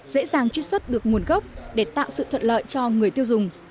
dễ dàng truy xuất được nguồn gốc để tạo sự thuận lợi cho người tiêu dùng